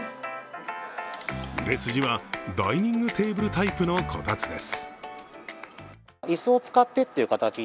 売れ筋は、ダイニングテーブルタイプのこたつです。